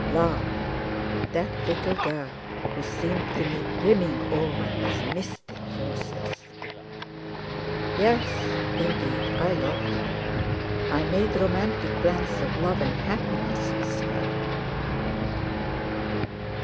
"Love... that little girl who seemed to me brimming over with mystic forces! Yes, indeed, I loved her. I made romantic plans of love and happiness with her!